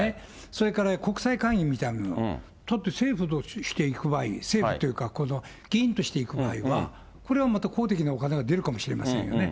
それから国際会議みたいなの、だって政府として行く場合、政府というか、議員として行く場合は、これはまた公的なお金が出るかもしれませんよね。